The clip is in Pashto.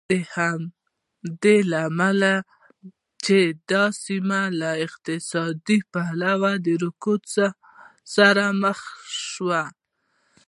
همدا لامل و چې دا سیمه له اقتصادي پلوه رکود سره مخ شوه.